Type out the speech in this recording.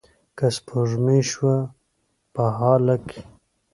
که سپوږمۍ شوه په هاله کې